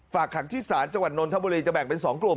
ขังที่ศาลจังหวัดนนทบุรีจะแบ่งเป็น๒กลุ่ม